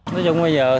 nói chung bây giờ